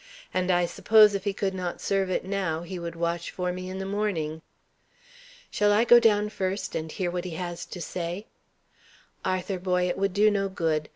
And I suppose if he could not serve it now, he would watch for me in the morning." "Shall I go down first, and hear what he has to say?" "Arthur, boy, it would do no good.